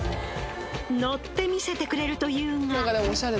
乗ってみせてくれるというが。